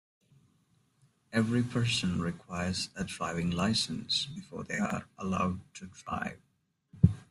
Every person requires a driving license before they are allowed to drive.